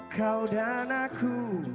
kau dan aku